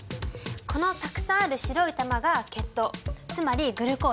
このたくさんある白い球が血糖つまりグルコース。